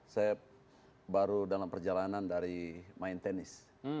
saya baru dalam perjalanan dari main tenis